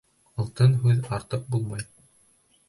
Алтын һүҙ артыҡ булмай.